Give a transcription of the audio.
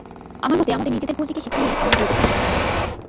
আমার মতে আমাদের নিজেদের ভুল থেকে শিক্ষা নিয়ে আরো ভালো করতে হবে, স্যার।